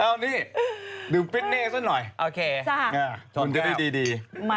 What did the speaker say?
เอ้านี่ดื่มปิ๊ดเน่ส่วนหน่อยคุณจะได้ดีมาคุณจะได้ดี